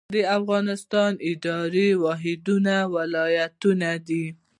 د افغانستان اداري واحدونه ولایتونه دي